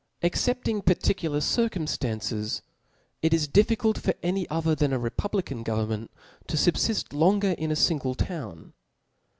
Excepting particular circumftances*, it is diffi cult for any other than a republican government to fubfift longer in a fingle town.